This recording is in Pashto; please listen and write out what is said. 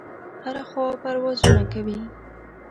هره خوا پروازونه کوي.